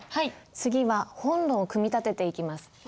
次は本論を組み立てていきます。